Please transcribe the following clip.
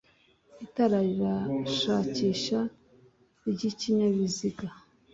itara rishakisha ry' ikinyabiziga